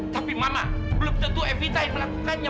tapi malah belum tentu evita yang melakukannya